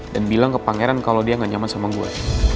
dan bilang ke pangeran kalau dia gak nyaman sama gue